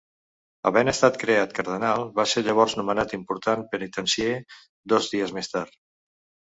Havent estat creat cardenal va ser llavors nomenat Important Penitencier dos dies més tard.